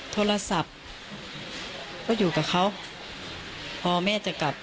โทรศัพท์ก็อยู่กับเขาพอแม่จะกลับ